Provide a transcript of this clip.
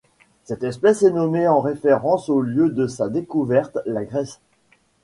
Cette espèce est nommée en référence au lieu de sa découverte, la Grèce.